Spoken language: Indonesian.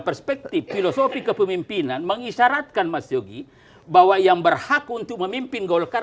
perspektif filosofi kepemimpinan mengisyaratkan mas yogi bahwa yang berhak untuk memimpin golkar